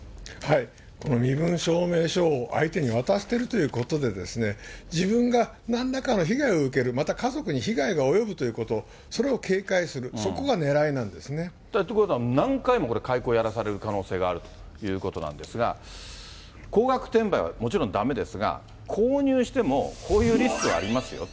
身分証明書を相手に渡しているということで、自分がなんらかの被害を受ける、また家族に被害が及ぶということ、それを警戒する、そこがねらいなんですね。ということは、何回もこれ、買い子をやらされる可能性があるということなんですが、高額転売はもちろんだめですが、購入しても、こういうリスクはありますよと。